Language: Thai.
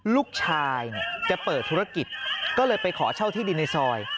ลูกชายจะเปิดธุรกิจก็เลยไปขอเช่าที่ดินในซอย